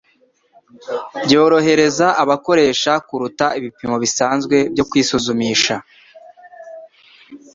byorohereza abakoresha kuruta ibipimo bisanzwe byo kwisuzumisha